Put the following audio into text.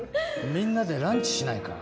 みんなでランチしないか。